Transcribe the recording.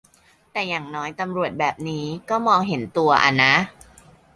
แต่อย่างน้อยตำรวจแบบนี้ก็มองเห็นตัวอ่ะนะ